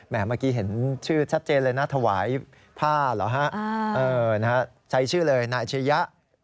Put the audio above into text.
เมื่อกี้เห็นชื่อชัดเจนเลยนะถวายผ้าเหรอฮะใช้ชื่อเลยนายอาชญะ